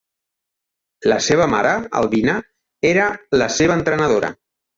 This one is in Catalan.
La seva mare, Albina, era la seva entrenadora.